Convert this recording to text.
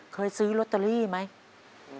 เคยซื้อลอตเตอรี่ไหม